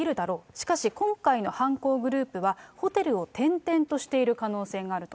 しかし、今回の犯行グループは、ホテルを転々としている可能性があると。